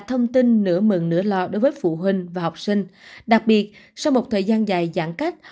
thông tin nửa mừng nữa lo đối với phụ huynh và học sinh đặc biệt sau một thời gian dài giãn cách